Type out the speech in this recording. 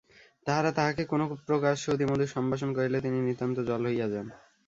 তাহারা তাঁহাকে কোনো-প্রকার শ্রুতিমধুর সম্ভাষণ করিলে তিনি নিতান্ত জল হইয়া যান।